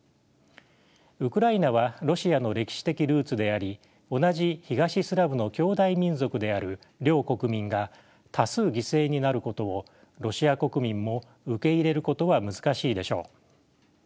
ウクライナはロシアの歴史的ルーツであり同じ東スラブの兄弟民族である両国民が多数犠牲になることをロシア国民も受け入れることは難しいでしょう。